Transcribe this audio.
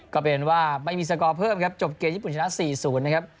ก็เป็นว่าไม่มีสกอร์เพิ่มครับจบเกมญี่ปุ่นชนะ๔๐นะครับ